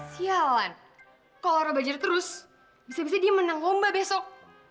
sialan kalau orang belajar terus bisa bisa dia menang lomba besok